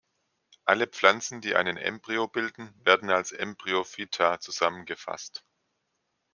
Alle Pflanzen, die einen Embryo bilden, werden als Embryophyta zusammengefasst.